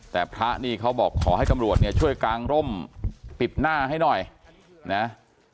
แต่พระนี่เขาบอกขอให้ตำรวจเนี่ยช่วยกางร่มปิดหน้าให้หน่อยนะ